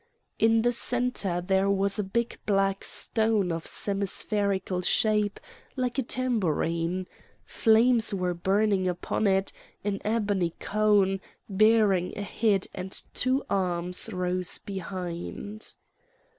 In the centre there was a big black stone, of semispherical shape like a tabourine; flames were burning upon it; an ebony cone, bearing a head and two arms, rose behind.